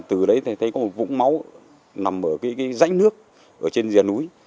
từ đấy thấy có một vũng máu nằm ở rãnh nước trên rìa núi